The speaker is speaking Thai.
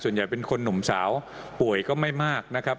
ใหญ่เป็นคนหนุ่มสาวป่วยก็ไม่มากนะครับ